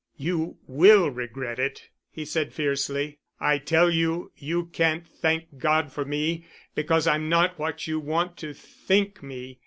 "You will regret it," he said fiercely. "I tell you you can't thank God for me, because I'm not what you want to think me.